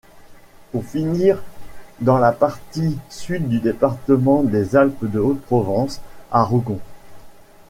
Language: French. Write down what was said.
Pour finir dans la partie sud du département des Alpes-de-Haute-Provence à Rougon.